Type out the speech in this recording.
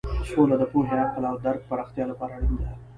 سوله د پوهې، عقل او درک پراختیا لپاره اړینه ده.